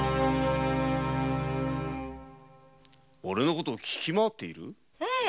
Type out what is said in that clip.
おれのことを聞きまわっている？